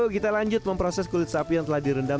kita lanjut memproses kulit sapi yang telah direndam